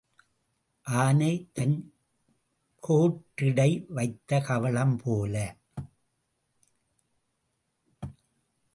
ஆனை தன் கோட்டிடை வைத்த கவளம் போல.